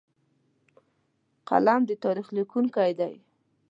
قلم د تاریخ لیکونکی دی